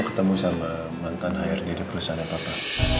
ketemu sama mantan hrg di perusahaan apa apa